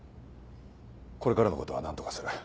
これからのことは何とかする。